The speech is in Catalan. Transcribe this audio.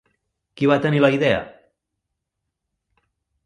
Qui va tenir la idea?